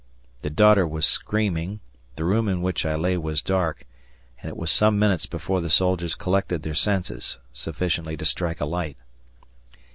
The daughter was screaming, the room in which I lay was dark, and it was someminutes before the soldiers collected their senses sufficiently to strike a light.